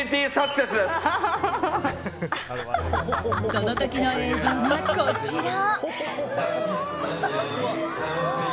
その時の映像がこちら。